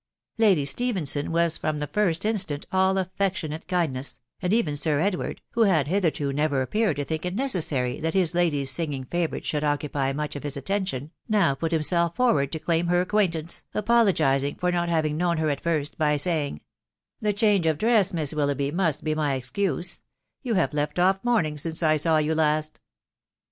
Lady Stephenson was from the first instant all affectionate kindness, and even Sir Edward, who had hitherto never ap peared to think it necessary that his lady's singing favourite should occupy much of his attention, now put himself forward to claim her acquaintance, apologising for not having known her at first, by saying, " The change tf fa^"N^Willoughbyf TBS WIDOW BARNABT 441 must be my excuse ; you have left off mourning since I saw you last."